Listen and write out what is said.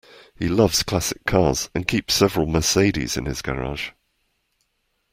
He loves classic cars, and keeps several Mercedes in his garage